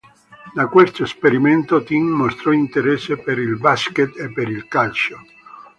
Da questo "esperimento", Tim mostrò interesse per il basket e per il calcio.